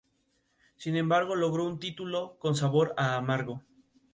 Sin embargo logró un título con sabor a amargo.